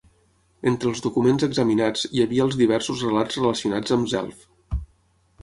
Entre els documents examinats hi havia els diversos relats relacionats amb Zelph.